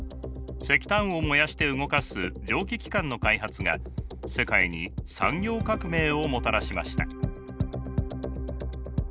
石炭を燃やして動かす蒸気機関の開発が世界に産業革命をもたらしました。